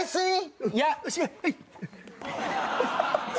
はい。